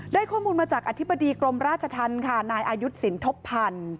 ข้อมูลมาจากอธิบดีกรมราชธรรมค่ะนายอายุสินทบพันธ์